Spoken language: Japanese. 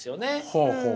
ほうほう。